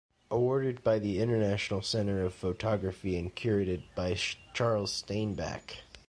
Awarded by The International Center of Photography and curated by Charles Stainback.